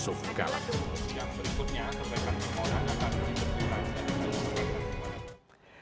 yang berikutnya terdekat pengolahan agar yusuf kalla tidak terlalu jauh